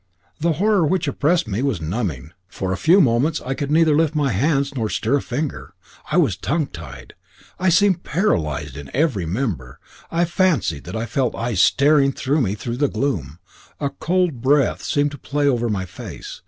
The horror which oppressed me was numbing. For a few moments I could neither lift my hands nor stir a finger. I was tongue tied. I seemed paralysed in every member. I fancied that I felt eyes staring at me through the gloom. A cold breath seemed to play over my face.